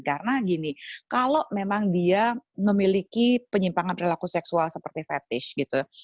karena gini kalau memang dia memiliki penyimpangan perilaku seksual seperti fetish gitu